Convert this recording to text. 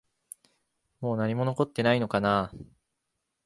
もう何も残っていないのかな？